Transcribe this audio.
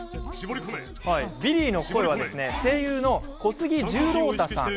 ビリーの声は声優の小杉十郎太さん。